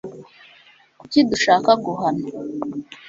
kuki dushaka kuguhana